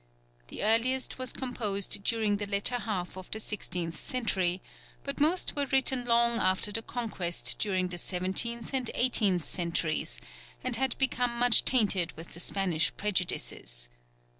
The earliest was composed during the latter half of the sixteenth century, but most were written long after the Conquest during the seventeenth and eighteenth centuries, and had become much tainted with the Spanish prejudices.